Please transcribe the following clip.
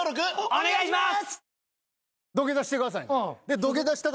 お願いします。